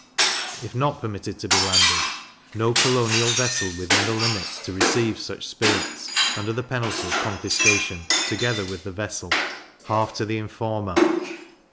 If not permitted to be landed, no colonial vessel within the limits to receive such spirits, under the penalty of confiscation, together with the vessel; half to the informer.